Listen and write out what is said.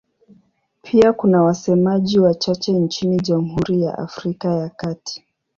Pia kuna wasemaji wachache nchini Jamhuri ya Afrika ya Kati.